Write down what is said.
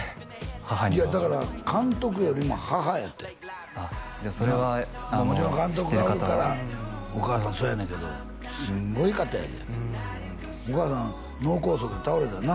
母にはだから監督よりも母やってそれは知ってる方はもちろん監督がおるからお母さんもそうやねんけどすんごい方やでお母さん脳梗塞で倒れたんやな？